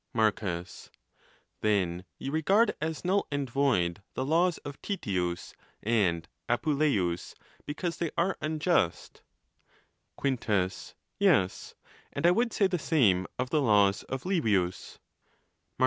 Marcus.—Then you regard as null and void the laws of Titius and Apuleius, because they are unjust. Quintus.—Yes; and I would say sie same of the laws of Livius.